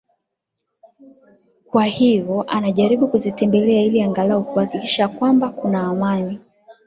kwa hivo anajaribu kuzitembelea ili angalao kuhakikisha kwamba kuna amani